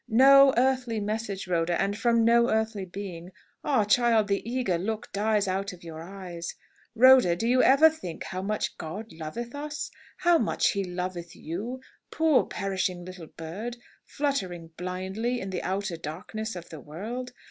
"No earthly message, Rhoda, and from no earthly being. Ah, child, the eager look dies out of your eyes! Rhoda, do you ever think how much God loveth us? How much he loveth you, poor perishing little bird, fluttering blindly in the outer darkness of the world!